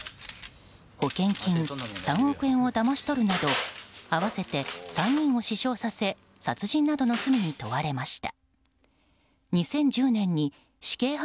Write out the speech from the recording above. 保険金３億円をだまし取るなど合わせて３人を死傷させ殺人などの罪に問われました。